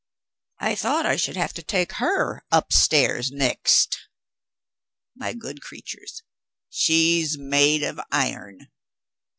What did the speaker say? I thought I should have to take her upstairs next. My good creatures, she's made of iron!